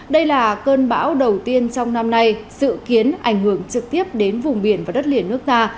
đây là cơn bão đầu tiên trong năm nay dự kiến ảnh hưởng trực tiếp đến vùng biển và đất liền nước ta